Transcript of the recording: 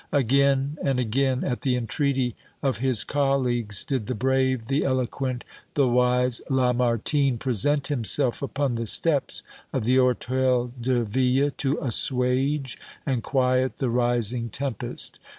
Again and again, at the entreaty of his colleagues, did the brave, the eloquent, the wise Lamartine present himself upon the steps of the Hôtel de Ville to assuage and quiet the rising tempest.